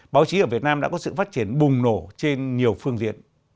báo chí ở việt nam đã có sự phát triển bùng nổ trên nhiều phương diện